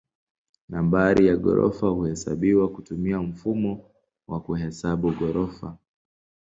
Nambari ya ghorofa huhesabiwa kutumia mfumo wa kuhesabu ghorofa.